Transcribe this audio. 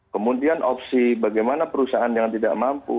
kemudian opsi bagaimana perusahaan yang tidak mampu